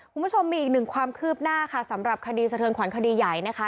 คุณผู้ชมมีอีกหนึ่งความคืบหน้าค่ะสำหรับคดีสะเทือนขวัญคดีใหญ่นะคะ